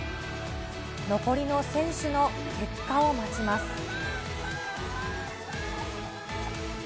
残りの選手の結果を待ちます。